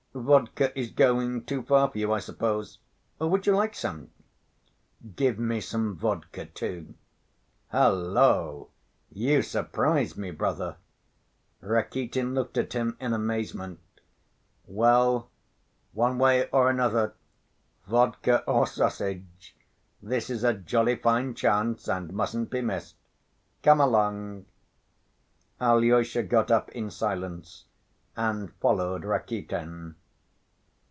Vodka is going too far for you, I suppose ... or would you like some?" "Give me some vodka too." "Hullo! You surprise me, brother!" Rakitin looked at him in amazement. "Well, one way or another, vodka or sausage, this is a jolly fine chance and mustn't be missed. Come along." Alyosha got up in silence and followed Rakitin.